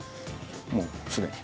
もうすでに。